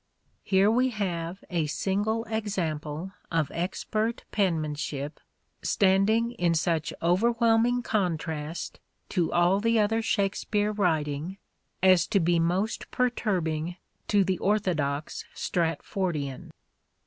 Here we have a single example of expert penmanship standing in such overwhelming contrast to all the other Shakspere writing as to be most perturbing to the orthodox Stratfordian.